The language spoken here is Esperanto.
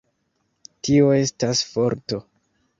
Tio estas forto.